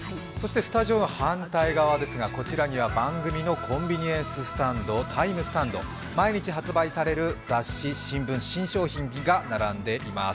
スタジオの反対側には番組のコンビニエンススタンドＴＩＭＥスタンド、毎日販売される雑誌、新聞、新商品が並んでいます。